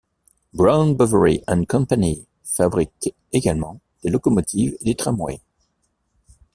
Brown Boveri & Cie fabrique également des locomotives et des tramways.